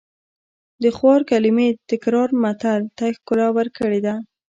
د خوار کلمې تکرار متل ته ښکلا ورکړې ده